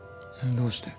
どうして？